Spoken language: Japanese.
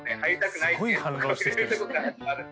すごい反論してきてる。